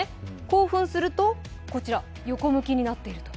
興奮すると、こちら、横向きになっていると。